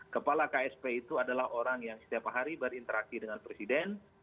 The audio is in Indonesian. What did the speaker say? kepala ksp itu adalah orang yang setiap hari berinteraksi dengan presiden